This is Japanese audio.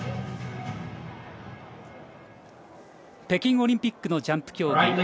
北京オリンピックのジャンプ競技。